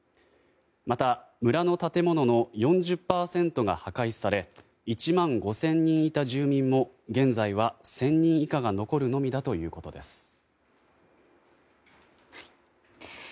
また村の建物の４０％が破壊され１万５０００人いた住民も現在は１０００人以下が残るのみだということです。